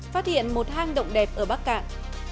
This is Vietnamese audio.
phát hiện một hang động đẹp ở bắc cạn